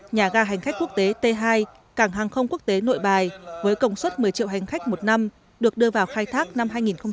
nhà ga hành khách quốc tế t hai cảng hàng không quốc tế nội bài với công suất một mươi triệu hành khách một năm được đưa vào khai thác năm hai nghìn một mươi